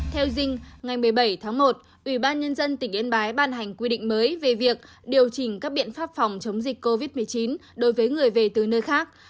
theo dinh ngày một mươi bảy tháng một ubnd tỉnh yên bái ban hành quy định mới về việc điều chỉnh các biện pháp phòng chống dịch covid một mươi chín đối với người về từ nơi khác